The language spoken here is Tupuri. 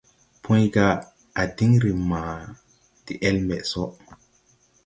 Pũy: À diŋ ree ma de ele mbɛ so.